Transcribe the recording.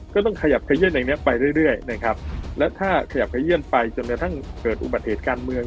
ก็ต้องขยับขยื่นอย่างนี้ไปเรื่อยนะครับและถ้าขยับขยื่นไปจนกระทั่งเกิดอุบัติเหตุการเมือง